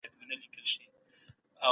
آیا پښتون له نورو قومونو سره ښه چلند کوي؟